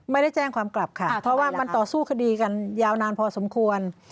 ไม่ได้แจ้งความกลับค่ะเพราะว่ามันต่อสู้คดีกันยาวนานพอสมควร